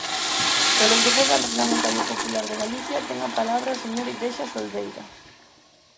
Polo Grupo Parlamentario Popular de Galicia, ten a palabra o señor Igrexa Solbeira.